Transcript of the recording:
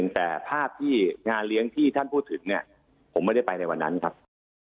ก็ไม่ได้ติดต่อกันแต่ก่อนหน้านี้นะครับ